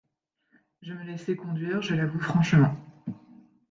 Je me laissais conduire, je l'avoue franchement.